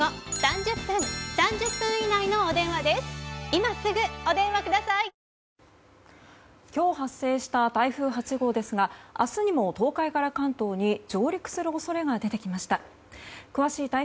今日発生した台風８号ですが明日にも東海から関東に上陸する恐れが出てきました。